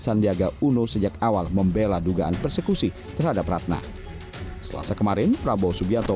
sandiaga uno sejak awal membela dugaan persekusi terhadap ratna selasa kemarin prabowo subianto